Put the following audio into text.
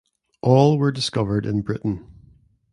All were discovered in Britain.